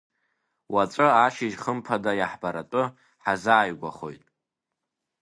Уаҵәы ашьыжь хымԥада иаҳбаратәы ҳазааигәахоит!